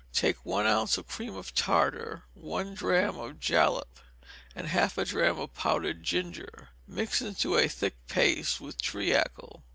Take one ounce of cream of tartar, one drachm of jalap, and half a drachm of powdered ginger; mix into a thick paste with treacle.